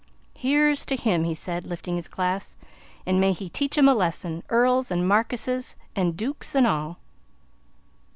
"Here's to HIM!" he said, lifting his glass, "an' may he teach 'em a lesson earls an' markises an' dooks an' all!"